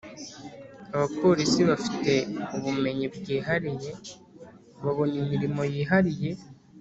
Abapolisi bafite ubumenyi bwihariye babona imirimo yihariye